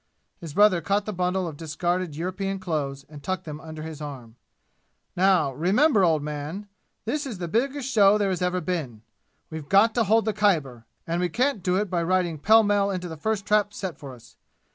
His brother caught the bundle of discarded European clothes and tucked them under his arm. "Now, re member, old man! This is the biggest show there has ever been! We've got to hold the Khyber, and we can't do it by riding pell mell into the first trap set for us!